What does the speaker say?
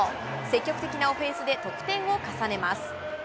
積極的なオフェンスで得点を重ねます。